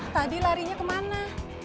tadi larinya kemana